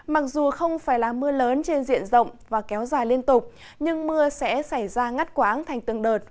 mặc dù không phải là mưa lớn trên diện rộng và kéo dài liên tục nhưng mưa sẽ xảy ra ngắt quãng thành từng đợt